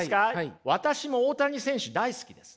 私も大谷選手大好きです。